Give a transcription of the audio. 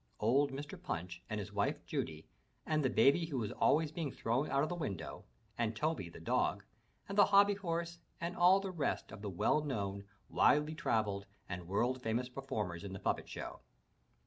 Old Mr. Punch and his wife, Judy, and the baby who is always being thrown out of the window, and Toby, the dog, and the hobby horse and all the rest of the well known, widely travelled and world famous performers in the puppet show.